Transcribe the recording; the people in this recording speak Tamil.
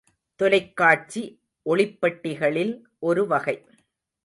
தொலைக்காட்சி ஒளிப்பெட்டிகளில் ஒரு வகை.